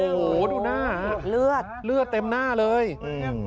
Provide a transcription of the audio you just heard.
โอ้โหดูหน้าเลือดเลือดเต็มหน้าเลยอืม